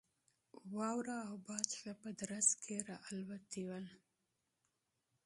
واوره او باد ښه په درز کې را الوتي ول.